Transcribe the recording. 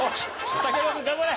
竹山頑張れ！